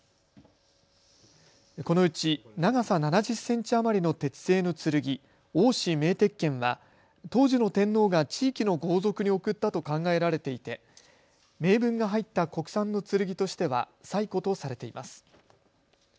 このうち長さ７０センチ余りの鉄製の剣、王賜銘鉄剣は当時の天皇が地域の豪族に贈ったと考えられていて銘文が入った国産の剣としては最古とされています。